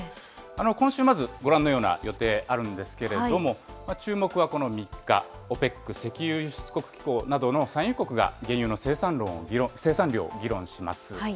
今週はまず、ご覧のような予定あるんですけれども、注目はこの３日、ＯＰＥＣ・石油輸出国機構などの産油国が原油の生産量を議論します。